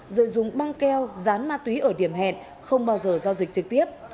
rồi dùng băng keo dán ma túy ở điểm hẹn không bao giờ giao dịch trực tiếp